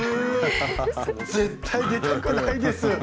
絶対出たくないです。